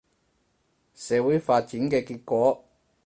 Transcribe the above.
社會發展嘅結果